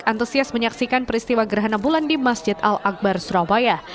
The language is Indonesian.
antusias menyaksikan peristiwa gerhana bulan di masjid al akbar surabaya